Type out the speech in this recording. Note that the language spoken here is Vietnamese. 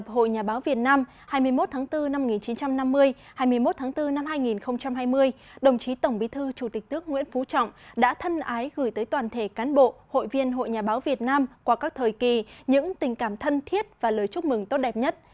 hai mươi một tháng bốn năm một nghìn chín trăm năm mươi hai mươi một tháng bốn năm hai nghìn hai mươi đồng chí tổng bí thư chủ tịch nước nguyễn phú trọng đã thân ái gửi tới toàn thể cán bộ hội viên hội nhà báo việt nam qua các thời kỳ những tình cảm thân thiết và lời chúc mừng tốt đẹp nhất